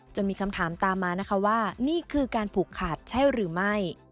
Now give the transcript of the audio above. มีคำถามตามมานะคะว่านี่คือการผูกขาดใช่หรือไม่